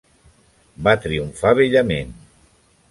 Va triomfar bellament.